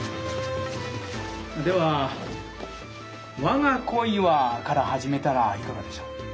では「我が恋は」から始めたらいかがでしょう。